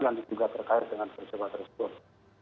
yang juga terkait dengan percobaan tersebut